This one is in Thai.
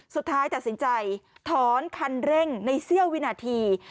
สุดท้ายตัดสินใจถอนคันเร่งในเสี้ยววินาที